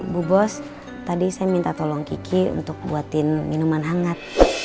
bu bos tadi saya minta tolong kiki untuk buatin minuman hangat